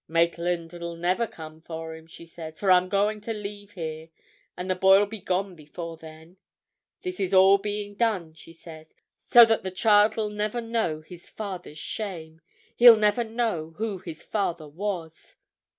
'Maitland'll never come for him,' she says, 'for I'm going to leave here, and the boy'll be gone before then. This is all being done,' she says, 'so that the child'll never know his father's shame—he'll never know who his father was.